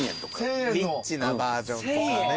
リッチなバージョンとかね。